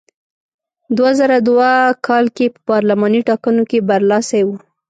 دوه زره دوه کال کې په پارلماني ټاکنو کې برلاسی و.